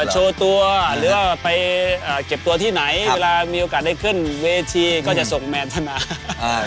โชว์ตัวหรือว่าไปอ่าเก็บตัวที่ไหนเวลามีโอกาสได้ขึ้นเวทีก็จะส่งแมนท่านมาอ่า